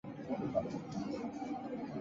西南铁路公司所有。